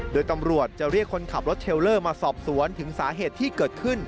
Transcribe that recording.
โดยตำรวจจะเรียกคนขับรถเทลเลอร์มาสอบสวนถึงสาเหตุที่เกิดขึ้น